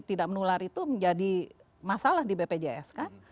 tidak menular itu menjadi masalah di bpjs kan